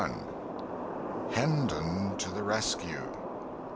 Hendon to the rescue.